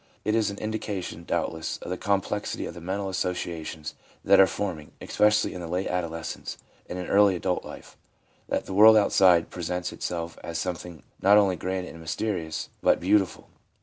It is an indication, doubtless, of the complexity of the mental associations that are forming, especially in late adolescence and in early adult life, that the world outside presents itself as something not only grand and mysterious, but beautiful.